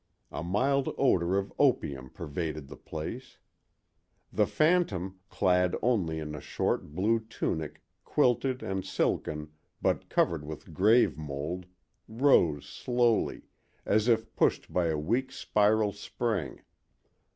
A mild odor of opium pervaded the place. The phantom, clad only in a short blue tunic quilted and silken but covered with grave mold, rose slowly, as if pushed by a weak spiral spring.